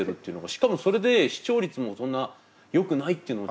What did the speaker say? しかもそれで視聴率もそんなよくないっていうのも。